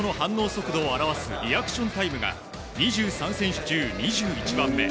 速度を表すリアクションタイムが２３選手中２１番目。